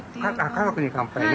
あ「家族に乾杯」ね。